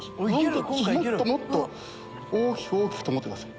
もっと大きくと思ってください。